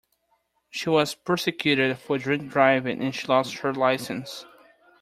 She was prosecuted for drink-driving, and she lost her licence